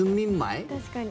確かに。